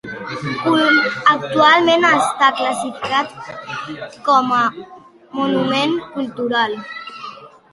Actualment està classificat com a monument cultural.